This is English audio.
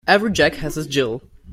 Every Jack has his Jill.